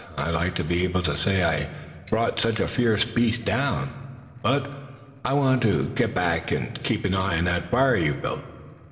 I'd like to be able to say I had brought such a fierce beast down. But I want to get back, and keep an eye on that fire you've built.